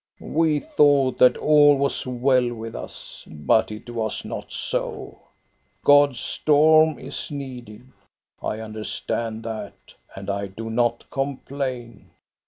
" We thought that all was well with us ; but it was not so. God's storm is needed. I understand that, and I do not complain.